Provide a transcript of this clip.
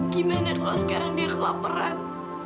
gimana kalau sekarang dia kelaparan